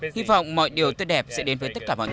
hy vọng mọi điều tốt đẹp sẽ đến với tất cả mọi người